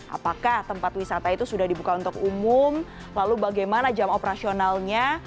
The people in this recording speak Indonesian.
apakah tempat wisata itu sudah dibuka untuk umum lalu bagaimana jam operasionalnya